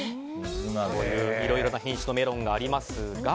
いろいろな品種のメロンがありますが